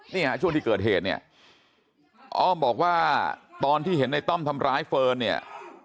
เนี่ยช่วงที่เกิดเหตุเนี่ยอ้อมบอกว่าตอนที่เห็นในต้อมทำร้ายเฟิร์นเนี่ย